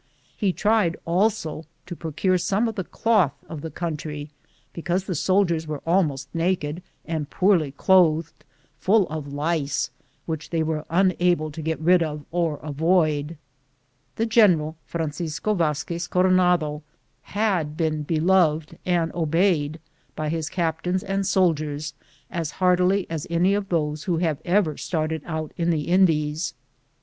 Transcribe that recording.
He tried also to procure some of the cloth of the country, because the soldiers were almost naked and poorly clothed, full of lice, which they were unable to get rid of or avoid. The general, Francisco Vazquez Coronado, J had been beloved and obeyed by his captains and soldiers as heartily as any of those who ],!,r,z«j I:, Google THB JOURNEY OP CORONADO have aver started out in the Indies.